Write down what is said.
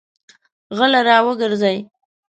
غله راوګرځوئ!